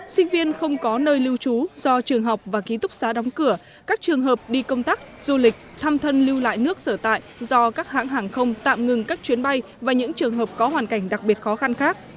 sinh viên không có nơi lưu trú do trường học và ký túc xá đóng cửa các trường hợp đi công tác du lịch thăm thân lưu lại nước sở tại do các hãng hàng không tạm ngừng các chuyến bay và những trường hợp có hoàn cảnh đặc biệt khó khăn khác